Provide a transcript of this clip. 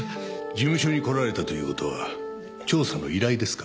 事務所に来られたという事は調査の依頼ですか？